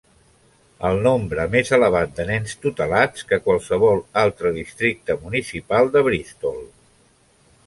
El nombre més elevat de nens tutelats que qualsevol altre districte municipal de Bristol.